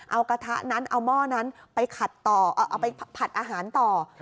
เอากระทะนั้นเอาหม้อนั้นไปขัดต่อเอาไปผัดอาหารต่อ